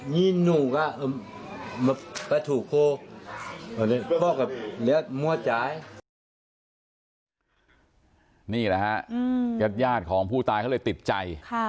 นี่แหละครับกับญาติของผู้ตายที่ติดใจ